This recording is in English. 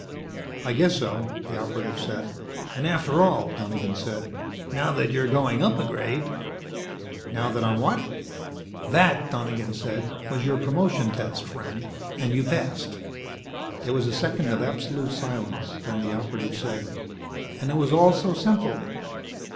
"I guess so," the Operative said. "And after all," Donegan said, "now that you're going up a grade " "Now that I'm what?" "That," Donegan said, "was your promotion test, friend. And you passed." There was a second of absolute silence. Then the Operative said: "And it was all so simple."